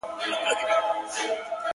ه ژوند به دي خراب سي داسي مه كــوه تـه!